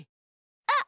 あっ！